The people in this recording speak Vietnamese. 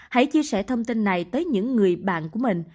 hãy chia sẻ thông tin này tới những người bạn của mình